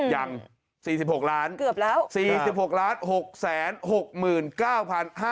อย่าง๔๖ล้านเกือบแล้ว